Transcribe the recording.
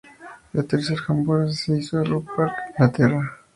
El tercer "jamboree" se hizo en Arrow Park, Inglaterra.